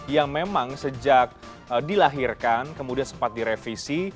yang memang sejak dilahirkan kemudian sempat direvisi